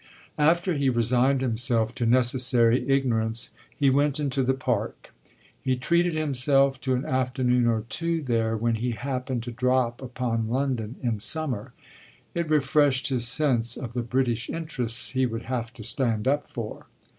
After he had resigned himself to necessary ignorance he went into the Park. He treated himself to an afternoon or two there when he happened to drop upon London in summer it refreshed his sense of the British interests he would have to stand up for.